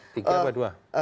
tiga apa dua